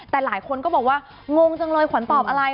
แต่หลายคนก็บอกว่างงจังเลยขวัญตอบอะไร